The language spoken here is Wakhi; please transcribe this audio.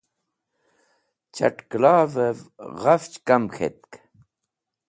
Chat̃ kẽlavev ghafch kam k̃hetk.